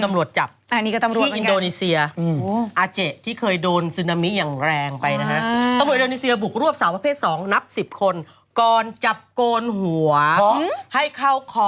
อันนี้อีกเรื่องนะครับเรื่องสาวประเภท๒